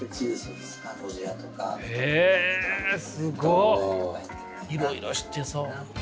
いろいろ知ってそう。